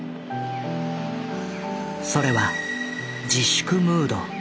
それは自粛ムード。